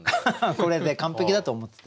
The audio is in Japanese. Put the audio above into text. これで完璧だと思ってた。